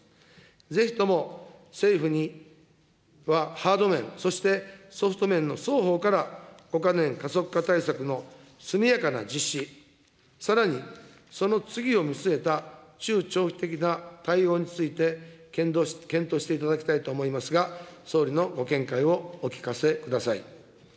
ぜひとも政府にはハード面、そしてソフト面の双方から５か年加速化対策の速やかな実施、さらにその次を見据えた中長期的な対応について検討していただきたいと思いますが、総理のご見解をお聞かせください。